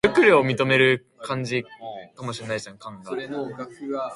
At the season end many one off matches were played between various teams.